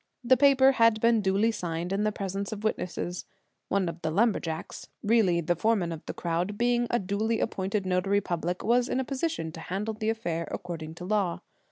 The paper had been duly signed in the presence of witnesses. One of the lumberjacks, really the foreman of the crowd, being a duly appointed notary public, was in a position to handle the affair according to law.